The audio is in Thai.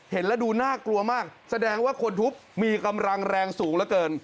เห็นแล้วดูน่ากลัวมากแสดงว่าคนทุบมีกำลังแรงสูงเหลือเกิน